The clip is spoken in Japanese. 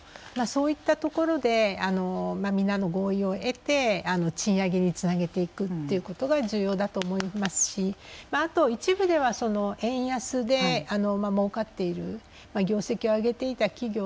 そういったところで皆の合意を得て賃上げにつなげていくっていうことが重要だと思いますしあと一部では円安でもうかっている業績を上げていた企業。